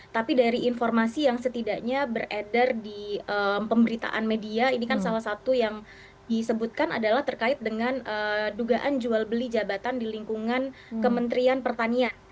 tapi dari informasi yang setidaknya beredar di pemberitaan media ini kan salah satu yang disebutkan adalah terkait dengan dugaan jual beli jabatan di lingkungan kementerian pertanian